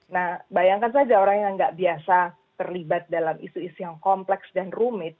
nah bayangkan saja orang yang nggak biasa terlibat dalam isu isu yang kompleks dan rumit